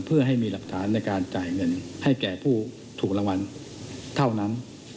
เพื่อให้มีหลักฐานในการจ่ายเงินให้แก่ผู้ถูกรางวัลเท่านั้น